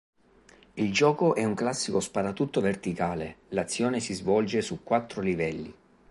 Il gioco è un classico sparatutto verticale, l'azione si svolge su Quattro livelli.